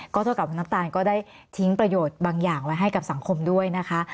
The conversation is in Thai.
เท่ากับคุณน้ำตาลก็ได้ทิ้งประโยชน์บางอย่างไว้ให้กับสังคมด้วยนะคะ